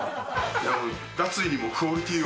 脱衣にもクオリティーを。